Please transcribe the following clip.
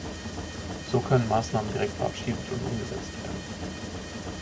So können Maßnahmen direkt verabschiedet und umgesetzt werden.